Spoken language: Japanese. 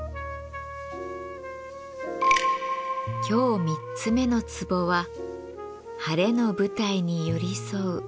今日３つ目の壺は「晴れの舞台に寄り添う」